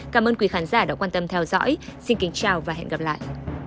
cảm ơn quý khán giả đã quan tâm theo dõi